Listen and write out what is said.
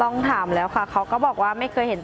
ต้องถามแล้วค่ะเขาก็บอกว่าไม่เคยเห็น